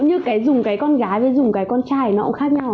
nó dễ hơn là sinh con trai đúng không ạ